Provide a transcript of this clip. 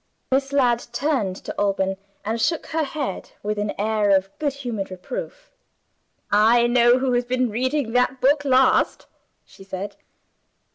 Miss Ladd turned to Alban, and shook her head with an air of good humored reproof. "I know who has been reading that book last!" she said.